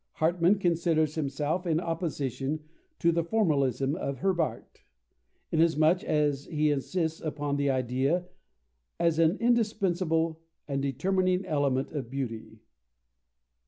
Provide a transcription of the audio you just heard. Hartmann considers himself in opposition to the formalism of Herbart, inasmuch as he insists upon the idea as an indispensable and determining element of beauty.